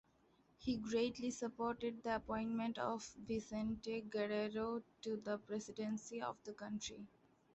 He greatly supported the appointment of Vicente Guerrero to the presidency of the country.